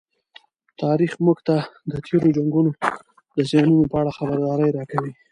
تاریخ موږ ته د تېرو جنګونو د زیانونو په اړه خبرداری راکوي.